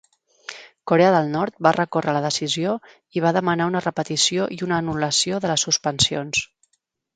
Korea del Nord va recórrer la decisió i va demanar una repetició i una anul·lació de les suspensions.